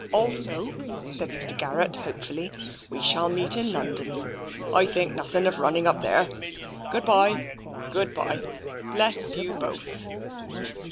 Also/' said Mr. Garrett hopefully, " we shall meet in London. I think nothing of running up there. Good bye — good bye — bless you both."